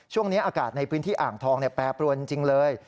ช่วงนี้อากาศในพื้นที่อ่างทองแปรปรวนจริงเลย